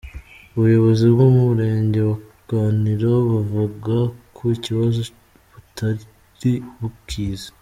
Ubuyobozi bw’umurenge wa Rwaniro buvuga ko iki kibazo butari bukizi.